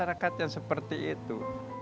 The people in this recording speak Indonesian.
orang yang tidak bisa berpikir pikir